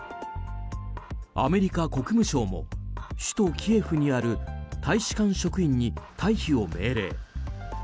アメリカ国務省も首都キエフにある大使館職員に退避を命令。